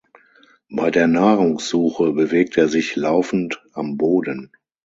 Bei der Nahrungssuche bewegt er sich laufend am Boden.